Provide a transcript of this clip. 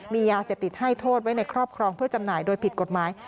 มียาเสพติดให้โทษไว้ในครอบครองเพื่อจำหน่ายโดยผิดกฎหมาย